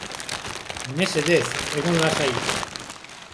Mesedez, egon lasai.